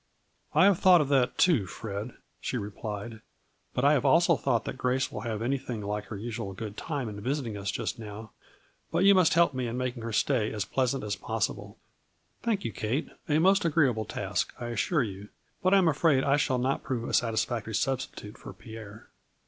" I have thought of that too, Fred," she re A FLURRY IN DIAMONDS. 135 plied, " but I have also thought that Grace will have anything like her usual good time in visit ing us just now, but you must help me in mak ing her stay as pleasant as possible." " Thank you, Kate. A most agreeable task, I assure you, but I am afraid I shall not prove a satisfactory substitute for Pierre."